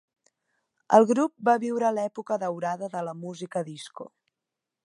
El grup va viure l'època daurada de la música disco.